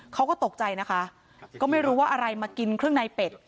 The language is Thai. เขาก็ตกใจนะคะก็ไม่รู้ว่าอะไรมากินเครื่องในเป็ด